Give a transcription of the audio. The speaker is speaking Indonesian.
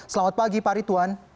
selamat pagi pak rituan